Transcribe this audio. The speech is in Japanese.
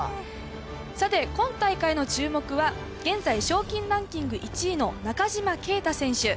さて、今大会の注目は、現在、賞金ランキング１位の中島啓太選手。